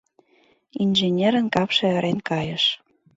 Инженерын капше ырен кайыш.